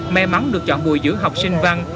may mắn được chọn bùi giữa học sinh văn